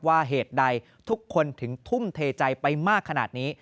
เหตุใดทุกคนถึงทุ่มเทใจไปมากขนาดนี้